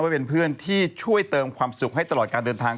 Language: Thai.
เป็นเพื่อนที่ช่วยเติมความสุขให้ตลอดการเดินทาง